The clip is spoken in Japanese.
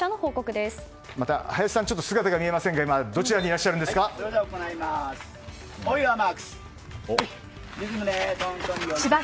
林さん姿が見えませんがどちらにいらっしゃいますか？